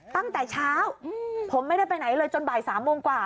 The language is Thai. ตั้งแต่เช้าผมไม่ได้ไปไหนเลยจนบ่าย๓โมงกว่า